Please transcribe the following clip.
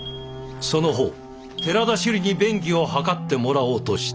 その方寺田修理に便宜を図ってもらおうとした事。